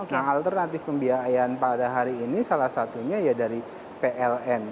nah alternatif pembiayaan pada hari ini salah satunya ya dari pln